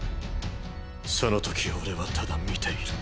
その時俺はただ見ている。